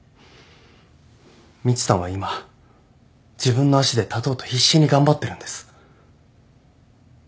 みちさんは今自分の足で立とうと必死に頑張ってるんです。